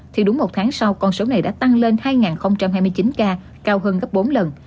thì đúng một tháng sau con số này đã tăng lên hai hai mươi chín ca cao hơn gấp bốn lần